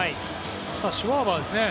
さあ、シュワバーですね。